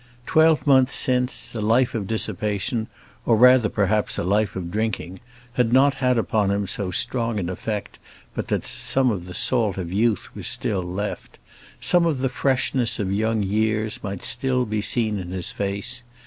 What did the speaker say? Twelve months since, a life of dissipation, or rather, perhaps, a life of drinking, had not had upon him so strong an effect but that some of the salt of youth was still left; some of the freshness of young years might still be seen in his face.